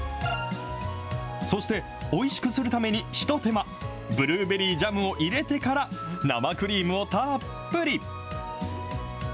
そして、おいしくするために一手間、ブルーベリージャムを入れてから、生クリームをたっぷり。